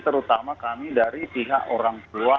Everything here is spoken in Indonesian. terutama kami dari pihak orang tua